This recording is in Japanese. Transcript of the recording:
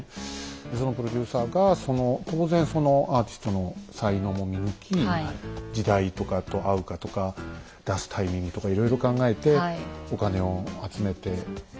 そのプロデューサーが当然そのアーティストの才能も見抜き時代とかと合うかとか出すタイミングとかいろいろ考えてお金を集めてやるっていうのね